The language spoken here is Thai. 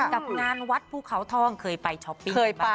กับงานวัดภูเขาทองเคยไปช็อปปิงอยู่บ้างเปล่า